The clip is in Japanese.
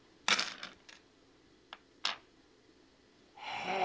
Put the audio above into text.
へえ！